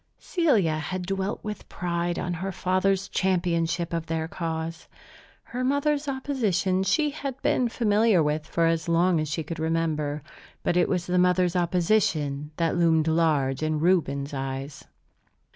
Celia had dwelt with pride on her father's championship of their cause. Her mother's opposition she had been familiar with for as long as she could remember. But it was the mother's opposition that loomed large in Reuben's eyes.